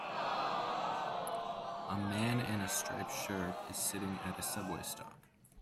a man in a striped shirt is sitting at a subway stop.